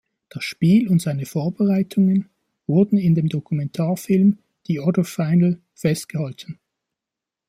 Das Spiel und seine Vorbereitungen wurden in dem Dokumentarfilm "The Other Final" festgehalten.